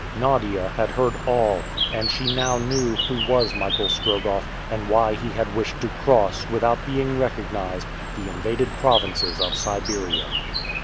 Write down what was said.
Nadia had heard all, and she now knew who was Michael Strogoff, and why he had wished to cross, without being recognized, the invaded provinces of Siberia.